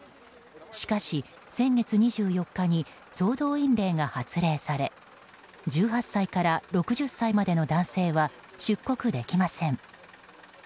しかし、先月２４日に総動員令が発令され１８歳から６０歳までの男性は出国できません。